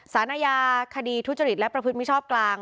สารอาญาคดีทุจริตและประพฤติมิชอบกลาง